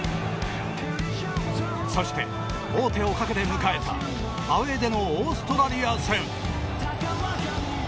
そして、王手をかけて迎えたアウェーでのオーストラリア戦。